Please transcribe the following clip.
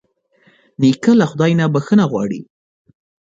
نیکه له خدای نه بښنه غواړي.